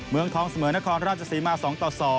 เมืองทองเสมอนครราชศรีมา๒ต่อ๒